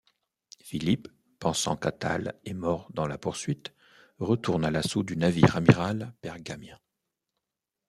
Philippe, pensant qu'Attale est mort dans la poursuite, retourne à l'assaut du navire-amiral pergamien.